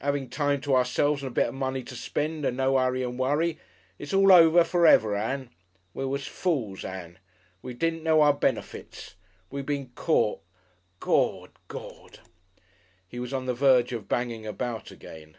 'Aving time to ourselves, and a bit of money to spend, and no hurry and worry, it's all over for ever, Ann. We was fools, Ann. We didn't know our benefits. We been caught. Gord!... Gord!" He was on the verge of "banging about" again.